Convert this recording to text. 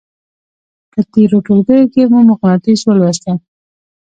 په تېرو ټولګیو کې مو مقناطیس ولوستل.